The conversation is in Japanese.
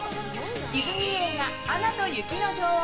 ディズニー映画「アナと雪の女王」